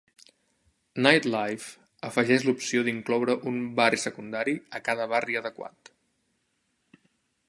"Nightlife" afegeix l'opció d'incloure un barri secundari a cada barri adequat.